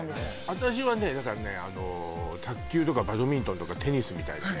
私はねだからね卓球とかバドミントンとかテニスみたいなね